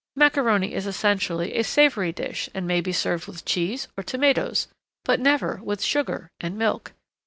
Macaroni is essentially a savoury dish and may be served with cheese or tomatoes but never with sugar and milk.